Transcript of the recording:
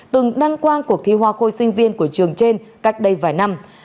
từng đăng quang cuộc thi hoa khôi sinh viên của trường trên cách đây vài năm